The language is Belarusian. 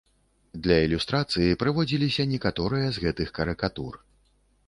Для ілюстрацыі прыводзіліся некаторыя з гэтых карыкатур.